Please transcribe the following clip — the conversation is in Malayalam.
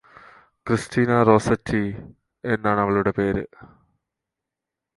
ക്രിസ്റ്റീന റോസറ്റി എന്നാണവളുടെ പേര്